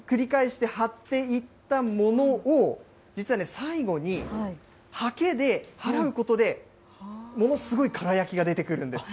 これを繰り返して貼っていったものを、実は最後に、はけで払うことで、ものすごい輝きが出てくるんです。